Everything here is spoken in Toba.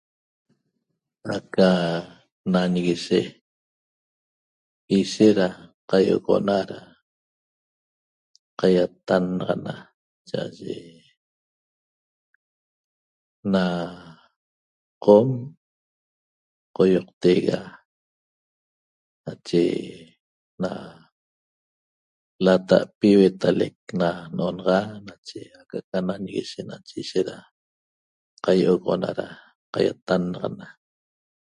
Aca nañiguishe ishet ra qaiogoxona ra qaiatannaxana cha'aye na qom qoioqtega nache na lata' pi huetalec na no'onaxa nache aca'aca nañiguishe ishet ra qaiogoxona ra qaiatannaxana